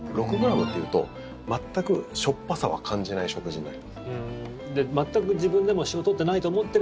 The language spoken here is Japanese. ６ｇっていうと全くしょっぱさは感じない食事になります。